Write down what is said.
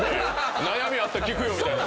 悩みあったら聞くよみたいなね。